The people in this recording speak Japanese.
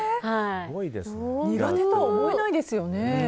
苦手とは思えないですよね。